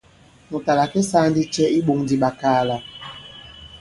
Mùt à làke saa ndi cɛ i iɓōŋ di ɓakaala ?